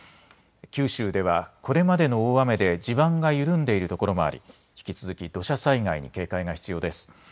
九州ではこれまでの大雨で地盤が緩んでいるところもあり引き続き土砂災害に警戒が必要です。